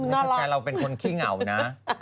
ดูอะไรวะแฟนเราเป็นคนขี้เหงานะ